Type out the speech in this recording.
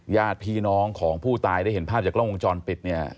ญาติพี่น้องของผู้ตายได้เห็นภาพจากกล้องวงจรปิดเนี่ย